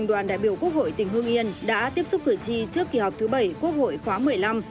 đoàn đại biểu quốc hội tỉnh hương yên đã tiếp xúc cử tri trước kỳ họp thứ bảy quốc hội khóa một mươi năm